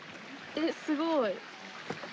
えっすごい。